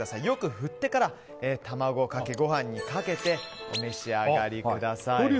よく振ってから卵かけご飯にかけてお召し上がりください。